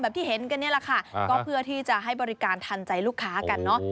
ที่เห็นกันนี่แหละค่ะก็เพื่อที่จะให้บริการทันใจลูกค้ากันเนอะ